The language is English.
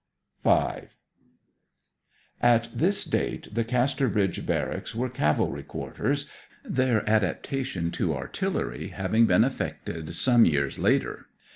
V At this date the Casterbridge Barracks were cavalry quarters, their adaptation to artillery having been effected some years later.